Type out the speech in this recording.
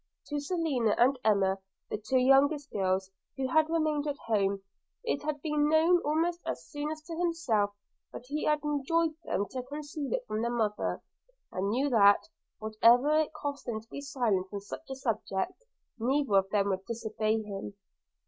To Selina and Emma, the two youngest girls, who had remained at home, it had been known almost as soon as to himself, but he had enjoined them to conceal it from their mother; and knew that, whatever it cost them to be silent on such a subject, neither of them would disobey him.